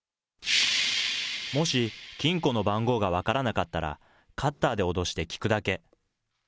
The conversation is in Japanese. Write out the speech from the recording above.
もし、金庫の番号が分からなかったら、カッターで脅して聞くだけ。